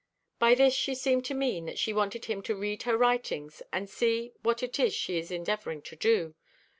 By this she seemed to mean that she wanted him to read her writings and see what it is she is endeavoring to do.